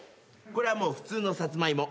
これはもう普通のサツマイモ。